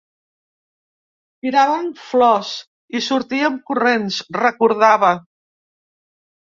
Tiràvem flors, i sortíem corrents, recordava.